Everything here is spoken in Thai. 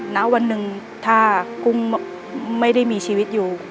ณวันหนึ่งถ้ากุ้งไม่ได้มีชีวิตอยู่